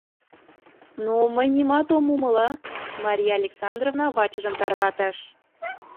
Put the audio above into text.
— Но мый нимат ом умыло, — Мария Александровна вачыжым тарватыш.